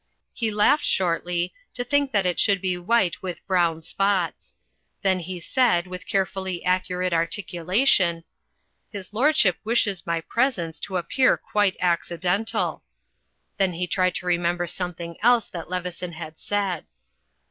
He laughed shortly, to think that it should be white with brown spots. Then he said, with carefully accurate articulation, "His lordship wishes my presence to appear quite accidental." Then he tried to remember something else that Leveson had said.